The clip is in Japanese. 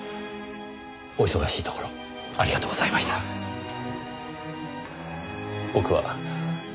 お忙しいところありがとうございました。